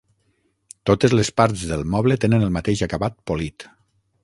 Totes les parts del moble tenen el mateix acabat polit.